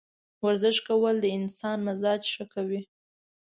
ورزش کول د انسان مزاج ښه کوي.